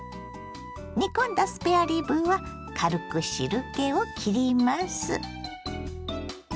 煮込んだスペアリブは軽く汁けをきります。